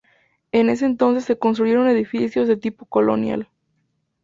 En ese entonces se construyeron edificios de tipo colonial.